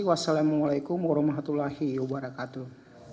wassalamualaikum warahmatullahi wabarakatuh